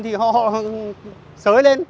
thì họ sới lên